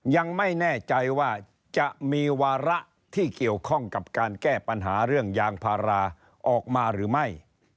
ยังไม่แน่ใจว่าจะมีวาระที่เกี่ยวข้องกับการแก้ปัญหาเรื่องยางพาราออกมาหรือไม่